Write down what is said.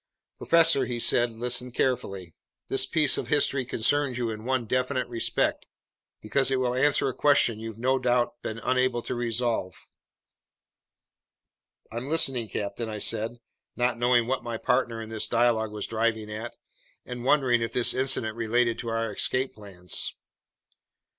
"Professor," he said, "listen carefully. This piece of history concerns you in one definite respect, because it will answer a question you've no doubt been unable to resolve." "I'm listening, captain," I said, not knowing what my partner in this dialogue was driving at, and wondering if this incident related to our escape plans.